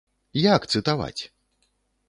Як цытаваць?